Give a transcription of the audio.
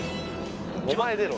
「お前出ろ」。